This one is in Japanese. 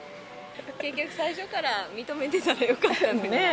結局最初から認めてたらよかったのにね。